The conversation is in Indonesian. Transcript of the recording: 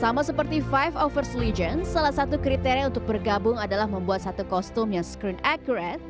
sama seperti five overs legends salah satu kriteria untuk bergabung adalah membuat satu kostum yang screen ecoret